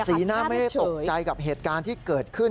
สีหน้าไม่ได้ตกใจกับเหตุการณ์ที่เกิดขึ้น